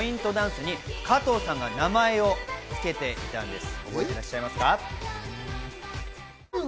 ダンスに加藤さんが名前をつけていたんです。